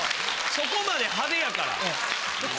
そこまで派手やから。